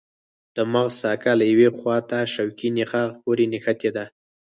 د مغز ساقه له یوې خواته شوکي نخاع پورې نښتې ده.